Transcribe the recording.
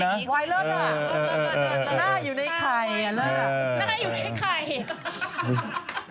หน้าอยู่ในไข่